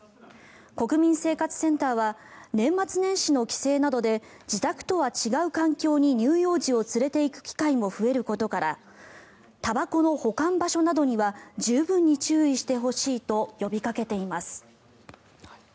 国民生活センターは年末年始の帰省などで自宅とは違う環境に乳幼児を連れていく機会も増えることからたばこの保管場所などには十分に注意してほしいと呼びかけています。